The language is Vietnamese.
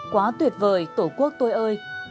quá tuyệt vời tổ quốc tôi ơi